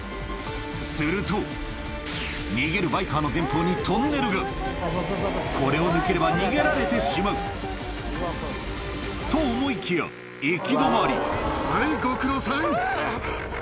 すると逃げるバイカーのこれを抜ければ逃げられてしまうと思いきや行き止まりあぁ！